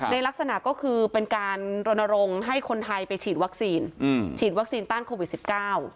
ลักษณะก็คือเป็นการรณรงค์ให้คนไทยไปฉีดวัคซีนอืมฉีดวัคซีนต้านโควิดสิบเก้า